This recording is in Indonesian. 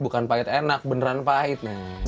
bukan pahit enak beneran pahit